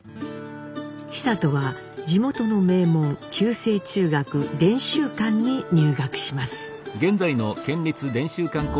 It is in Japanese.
久渡は地元の名門旧制中学伝習館に入学します。